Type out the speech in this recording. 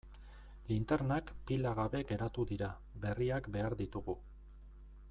Linternak pila gabe geratu dira, berriak behar ditugu.